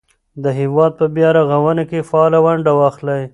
د هېواد په بیا رغونه کې فعاله ونډه واخلئ.